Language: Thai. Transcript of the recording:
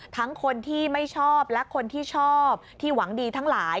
ทั้งคนที่ไม่ชอบและคนที่ชอบที่หวังดีทั้งหลาย